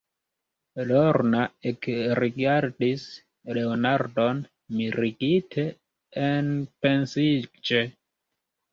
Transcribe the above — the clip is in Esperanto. Lorna ekrigardis Leonardon mirigite, enpensiĝe.